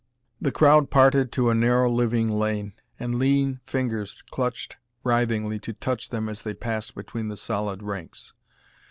The crowd parted to a narrow, living lane, and lean fingers clutched writhingly to touch them as they passed between the solid ranks.